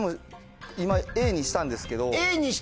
今Ａにしたんですけど。